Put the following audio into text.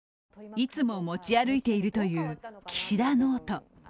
いつも持ち歩いているという岸田ノート。